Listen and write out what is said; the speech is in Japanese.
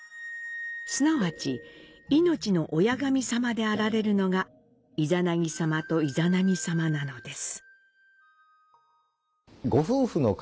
すなわち命の親神様であられるのが、イザナギさまとイザナミさまなのです。